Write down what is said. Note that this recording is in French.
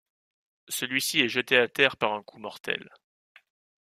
Celui-ci est jeté à terre par un coup mortel.